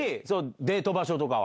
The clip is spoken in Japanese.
デート場所とかは。